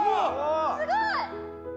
すごい！